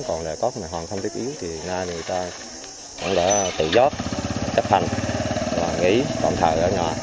còn là có mẹ hoàng không thiết yếu thì người ta cũng đã tự gióp chấp hành và nghỉ tổng thờ ở nhà